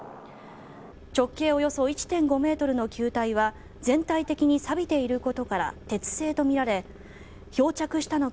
直径およそ１．５ｍの球体は全体的にさびていることから鉄製とみられ漂着したのか